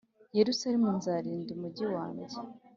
Yerusalemu nzarinda umugi wanjye